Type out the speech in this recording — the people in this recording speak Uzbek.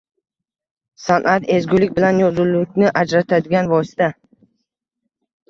San’at — ezgulik bilan yovuzlikni ajratadigan vosita.